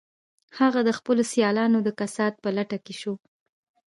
هغه د خپلو سیالانو د کسات په لټه کې شو